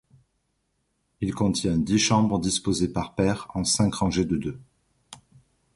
Il contient dix chambres disposées par paires en cinq rangées de deux.